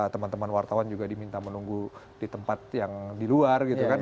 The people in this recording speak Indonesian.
teman teman wartawan juga diminta menunggu di tempat yang di luar gitu kan